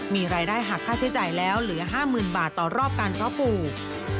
มีรายได้หักค่าใช้จ่ายแล้วเหลือ๕๐๐๐บาทต่อรอบการเพาะปลูก